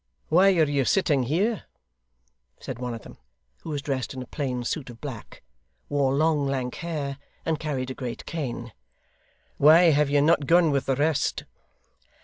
'Why are you sitting here?' said one of them, who was dressed in a plain suit of black, wore long lank hair, and carried a great cane. 'Why have you not gone with the rest?